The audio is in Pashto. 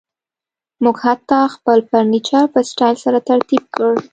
موږ حتی خپل فرنیچر په سټایل سره ترتیب کړ